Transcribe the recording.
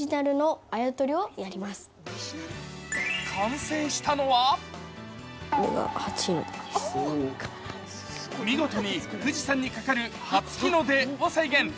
完成したのは見事に富士山にかかる初日の出を再現。